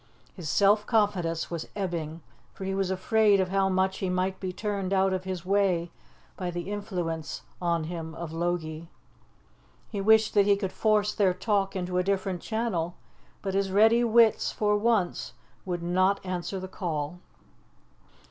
His self confidence was ebbing, for he was afraid of how much he might be turned out of his way by the influence on him of Logie. He wished that he could force their talk into a different channel, but his ready wits for once would not answer the call.